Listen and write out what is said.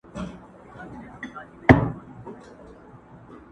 پلار ویل زویه ته دا و وایه بل چا ته،